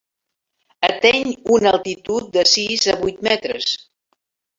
Ateny una altitud de sis a vuit metres.